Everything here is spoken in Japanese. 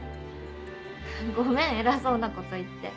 ごめん偉そうなこと言って。